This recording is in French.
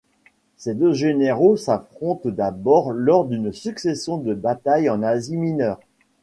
Ces deux généraux s'affrontent d'abord lors d'une succession de batailles en Asie mineure.